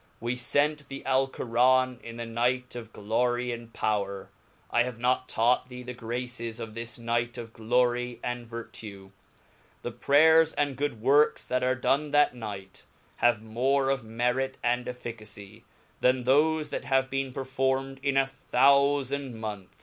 We fcnt the ^Alcoran in the night of Glory and Power, I have not taught thee the graces of this night of glory and ver.tue; Theprayeis and good works that are done that night, have more of m^ic and efficacy, ithen thofe that have been performed i^ a thoulajj^ monch?.